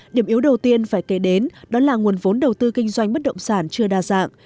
điểm yếu đầu tiên phải kể đến đó là nguồn vốn đầu tư kinh doanh bất động sản chưa đa dạng